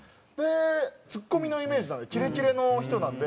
ツッコミのイメージなんでキレキレの人なんで。